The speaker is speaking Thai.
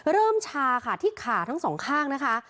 ชาค่ะที่ขาทั้งสองข้างนะคะ